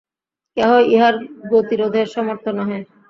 কেহই ইহার গতিরোধে সমর্থ নহে।